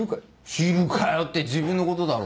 「知るかよ」って自分のことだろ。